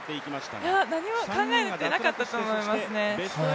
何も考えてなかったと思いますね。